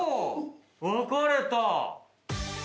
分かれた！